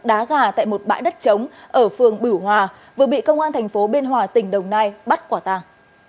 đá gà tại một bãi đất trống ở phường bửu hòa vừa bị công an thành phố biên hòa tỉnh đồng nai bắt quả tàng